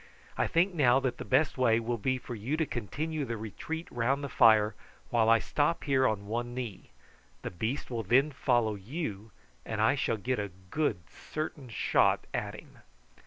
I think now that the best way will be for you to continue the retreat round the fire while I stop here on one knee. The beast will then follow you, and I shall get a good certain shot at him."